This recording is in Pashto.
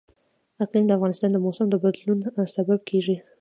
اقلیم د افغانستان د موسم د بدلون سبب کېږي.